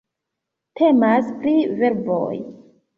Temas pri verboj.